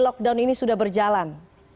lockdown ini sudah berjalan